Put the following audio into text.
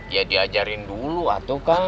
ya diajarin dulu atuh kang